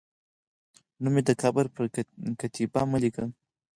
نوم مې د قبر پر کتیبه مه لیکئ